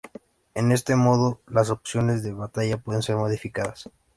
En este modo, las opciones de batalla pueden ser modificadas.